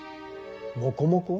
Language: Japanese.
モコモコ？